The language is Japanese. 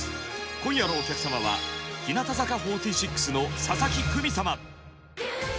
今夜のお客様は日向坂４６の佐々木久美様。